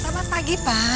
selamat pagi pak